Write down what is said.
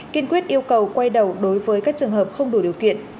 kiên quyết yêu cầu quay đầu đối với các trường hợp không đủ điều kiện